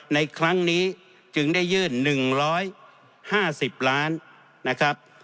ในครั้งนี้จึงได้ยื่นหนึ่งร้อยห้าสิบล้านนะครับ